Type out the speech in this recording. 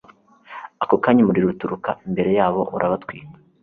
ako kanya umuriro uturuka imbere yabo urabatwika